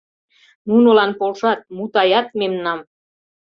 Нунылан полшат, мутаят мемнам